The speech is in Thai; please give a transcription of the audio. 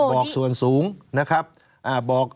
บอกส่วนสูงนะครับ